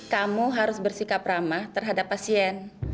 kamu harus bersikap ramah terhadap pasien